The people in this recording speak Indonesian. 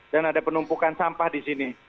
dan ada penumpukan sampah di sini